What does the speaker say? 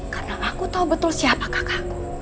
karena aku tau betul siapa kakak